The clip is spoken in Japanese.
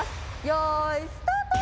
よいスタート！